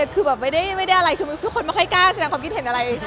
คือแบบไม่ได้อะไรคือทุกคนไม่ค่อยกล้าแสดงความคิดเห็นอะไร